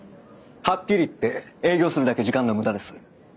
はっきり言って営業するだけ時間の無駄です。